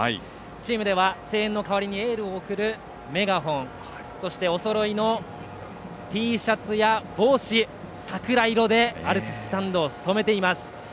チームでは声援の代わりにエールを送るメガホンそしておそろいのＴシャツや帽子桜色でアルプススタンドを染めています。